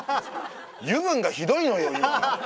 油分がひどいのよ今。